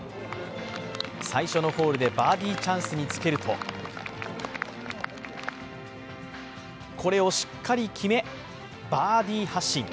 最初のホールでバーディーチャンスにつけるとこれをしっかり決め、バーディー発進。